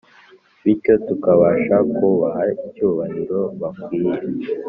bityo tukabasha kubaha icyubahiro bakwiye,